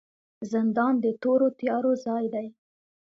زندان د تورو تیارو ځای دی